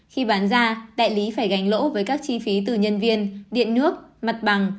khi bán ra đại lý phải gánh lỗ với các chi phí từ nhân viên điện nước mặt bằng